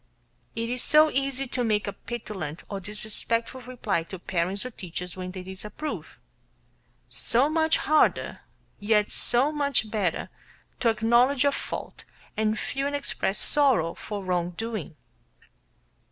It is so easy to make a petulant or disrespectful reply to parents or teachers when they reprove; so much harder, yet so much better, to acknowledge a fault and feel and express sorrow for wrong doing.